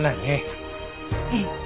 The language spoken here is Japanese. ええ。